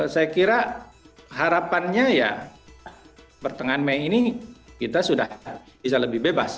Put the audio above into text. saya kira harapannya ya pertengahan mei ini kita sudah bisa lebih bebas